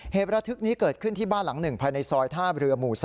เหตุระทึกนี้เกิดขึ้นที่บ้านหลังหนึ่งภายในซอยท่าเรือหมู่๒